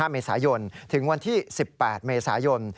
เมษายนถึงวันที่๑๘เมษายน